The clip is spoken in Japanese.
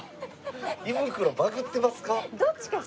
胃袋バグってますか？